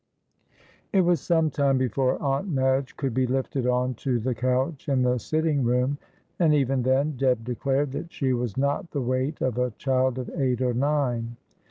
It was some time before Aunt Madge could be lifted on to the couch in the sitting room, and even then Deb declared that she was not the weight of a child of eight or nine.